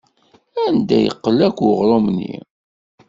Anda yeqqel akk uɣrum-nni?